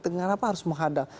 kenapa harus menghadang